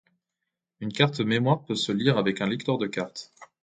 Une carte mémoire peut se lire avec un lecteur de carte.